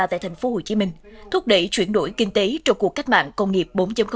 tại tp hcm thúc đẩy chuyển đổi kinh tế trong cuộc cách mạng công nghiệp bốn